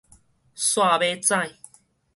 煞尾指